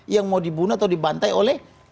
yang mau dibunuh atau dibantai oleh